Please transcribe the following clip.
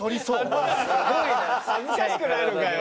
恥ずかしくないのかよ。